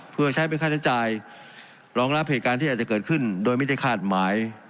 เพื่อใช้เป็นค่าใช้จ่ายรองรับเหตุการณ์ที่อาจจะเกิดขึ้นโดยไม่ได้คาดหมาย